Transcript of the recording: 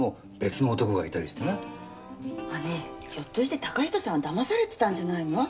ねえひょっとして嵩人さんは騙されてたんじゃないの？